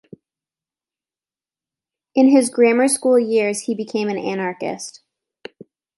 In his grammar-school years he became an anarchist.